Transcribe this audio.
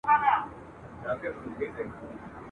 تور قسمت په تا آرام نه دی لیدلی ..